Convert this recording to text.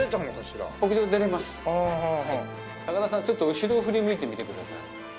ちょっと後ろを振り向いてみてください。